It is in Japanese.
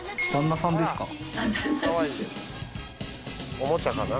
おもちゃかな？